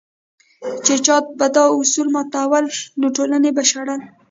چې چا به دا اصول ماتول نو ټولنې به شړل.